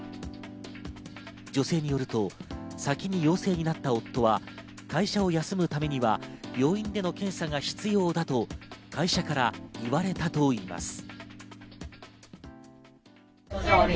女性によると、先に陽性になった夫は会社を休むためには病院での検査が必要だと会社から言われたといいます。